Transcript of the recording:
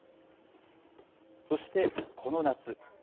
そしてこの夏。